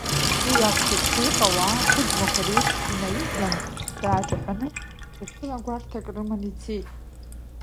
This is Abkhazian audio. Уи акәхеит, хәҩык ауаа ақәыџьмақәа реиԥш инаижәлан, дааҿаҳәаны, чашыла гәарҭак рыманы ицеит.